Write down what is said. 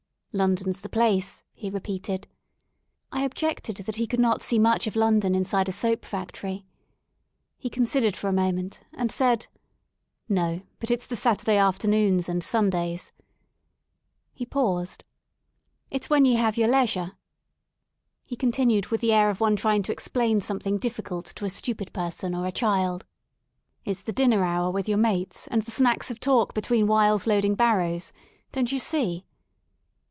London *s the place,'' he repeated, I objected that he could not see much of London inside a soap factory. He considered for a moment and said; '* No, but it's the Saturdayafternoons and Sundays/' He paused. '*It's when ye hahve your leisure/' He continued with the air of one trying to explain something difficult to a 109 THE SOUL OF LONDON stupid person or a child: It's the dinner hour with your mates and the snacks of talk between whiles load ing barrows. Don't you see?